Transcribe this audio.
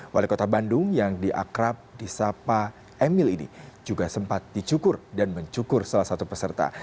wali kota bandung yang diakrab di sapa emil ini juga sempat dicukur dan mencukur salah satu peserta